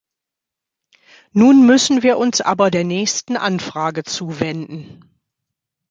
Nun müssen wir uns aber der nächsten Anfrage zuwenden.